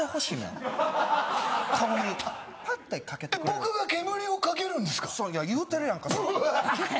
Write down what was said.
僕がかけるんですか？